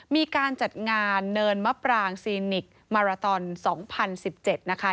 มีการจัดงานเนินมะปรางซีนิกมาราตอน๒๐๑๗นะคะ